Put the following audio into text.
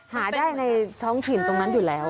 หาได้ในท้องถิ่นตรงนั้นอยู่แล้ว